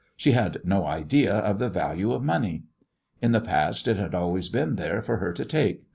She had no idea of the value of money. In the past it had always been there for her to take.